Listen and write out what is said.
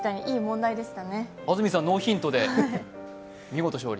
安住さんノーヒントで見事勝利。